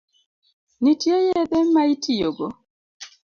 Nitie yedhe ma itiyogo?